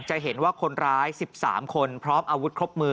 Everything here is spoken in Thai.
จะเห็นว่าคนร้าย๑๓คนพร้อมอาวุธครบมือ